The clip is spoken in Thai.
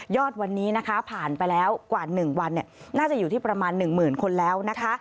ยอดวันนี้ผ่านไปแล้วกว่าหนึ่งวันน่าจะอยู่ที่ประมาณหนึ่งหมื่นคนแล้วนะคะ